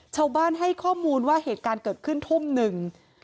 ชาวบ้านให้ข้อมูลว่าเหตุการณ์เกิดขึ้นทุ่มหนึ่ง